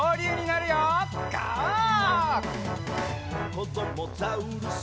「こどもザウルス